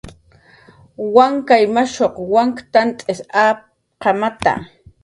Wankay mashuq wank t'ant apqamata